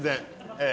ええ。